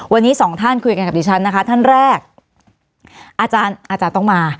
วันนี้สองท่านคุยกันกับดิฉันนะคะท่านแรกอาจารย์ต้องมา